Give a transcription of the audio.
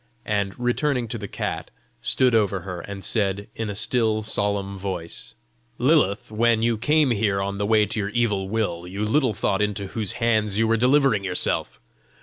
and, returning to the cat, stood over her and said, in a still, solemn voice: "Lilith, when you came here on the way to your evil will, you little thought into whose hands you were delivering yourself!